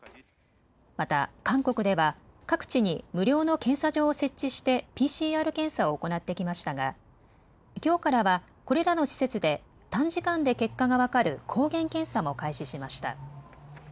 また、韓国では、各地に無料の検査場を設置して、ＰＣＲ検査を行ってきましたがきょうからは、これらの施設で短時間で結果が分かる抗原検査も開始しました。